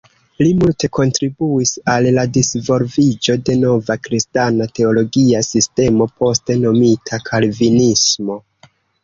Li multe kontribuis al la disvolviĝo de nova kristana teologia sistemo poste nomita kalvinismo.